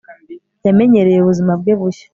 yamenyereye ubuzima bwe bushya